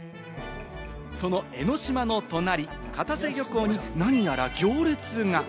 その江の島の隣、片瀬漁港に何やら行列が。